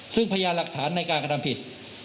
ซึ่งพยานหลักฐานในการกระทำผิด